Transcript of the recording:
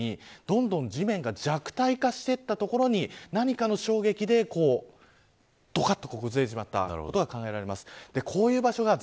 なので、地面が乾かずにどんどん地面が弱体化していったところに何かの衝撃でどかっと崩れてしまったことが考えられます。